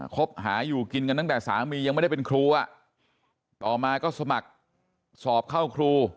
คบหาอยู่กินกันตั้งแต่สามียังไม่ได้เป็นครูอ่ะต่อมาก็สมัครสอบเข้าครู